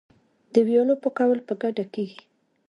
د ویالو پاکول په ګډه کیږي.